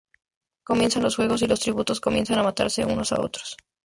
Comienzan los juegos, y los tributos comienzan a matarse unos a otros.